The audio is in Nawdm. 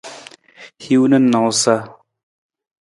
Hiwung na nawusa.